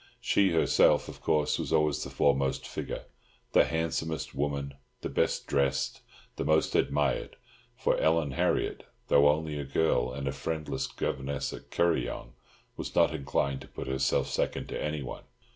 She herself, of course, was always the foremost figure, the handsomest woman, the best dressed, the most admired; for Ellen Harriott, though only a girl, and a friendless governess at Kuryong, was not inclined to put herself second to anyone.